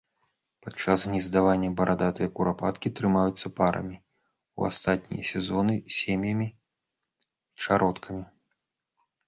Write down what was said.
Падчас гнездавання барадатыя курапаткі трымаюцца парамі, у астатнія сезоны сем'ямі і чародкамі.